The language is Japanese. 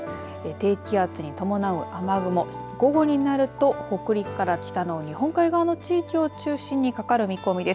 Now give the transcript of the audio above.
低気圧に伴う雨雲午後になると北陸から北の日本海側の地域を中心にかかる見込みです。